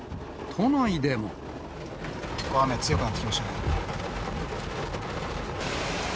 雨が強くなってきましたね。